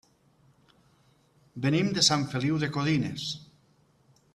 Venim de Sant Feliu de Codines.